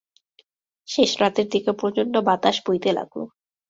শেষ রাত্রের দিকে প্রচণ্ড বাতাস বইতে লাগল।